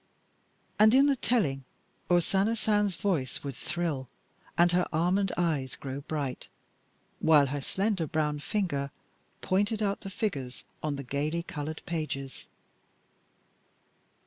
And in the telling O Sana Man's voice would thrill, and her almond eyes grow bright, while her slender brown finger pointed out the figures on the gaily colored pages.